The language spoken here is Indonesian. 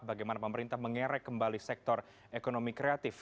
bagaimana pemerintah mengerek kembali sektor ekonomi kreatif